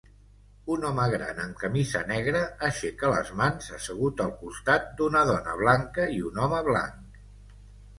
Un home gran amb camisa negra aixeca les mans assegut al costat d'una dona blanca i un home blanc.